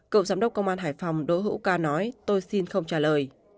cựu giám đốc công an hải phòng đỗ hữu ca nói tôi xin không trả lời